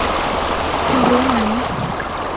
คุณรู้ไหม